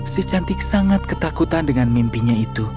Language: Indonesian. si cantik sangat ketakutan dengan mimpinya itu